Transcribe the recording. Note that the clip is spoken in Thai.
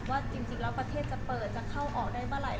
ว่าจริงแล้วประเทศจะเปิดจะเข้าออกได้เมื่อไหร